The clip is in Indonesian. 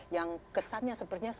yang kesannya sepertinya sama ibu